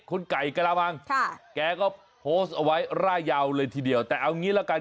คุณไก่กระมังค่ะแกก็โพสต์เอาไว้ร่ายยาวเลยทีเดียวแต่เอางี้ละกัน